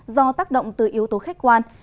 do tác động từ yếu tố khách quan